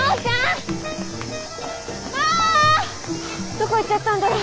どこ行っちゃったんだろう？